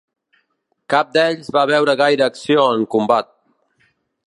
Cap d’ells va veure gaire acció en combat.